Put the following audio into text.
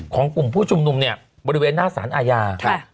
ของกลุ่มผู้ชุมนุมบริเวณน่าสารอาญา